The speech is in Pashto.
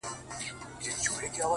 د دوزخي حُسن چيرمني جنتي دي کړم;